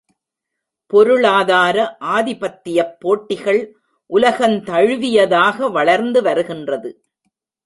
பொருளாதார ஆதிபத்தியப் போட்டிகள் உலகந் தழுவியதாக வளர்ந்து வருகின்றது.